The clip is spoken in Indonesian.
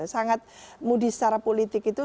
sangat mudi secara politik itu